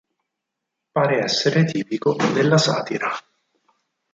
Pare essere tipico della satira.